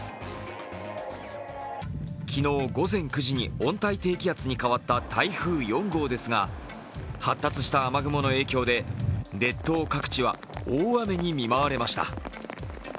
昨日午前９時に温帯低気圧に変わった台風４号ですが、発達した雨雲の影響で列島各地は大雨に見舞われました。